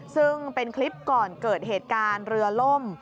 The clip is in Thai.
ซึ่งเป็นคลิปก่อนเกิดเหตุการณ์เรือล่ม